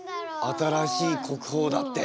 新しい国宝だって。